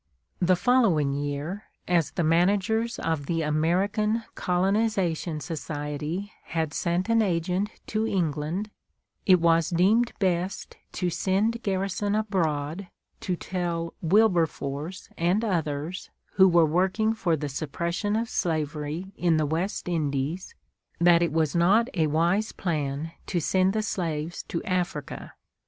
The following year, as the managers of the American Colonization Society had sent an agent to England, it was deemed best to send Garrison abroad to tell Wilberforce and others who were working for the suppression of slavery in the West Indies, that it was not a wise plan to send the slaves to Africa.